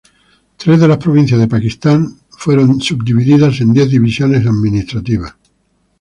Tres de las provincias de Pakistán fueron subdivididas en diez divisiones administrativas.